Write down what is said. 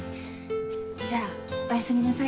じゃあおやすみなさい。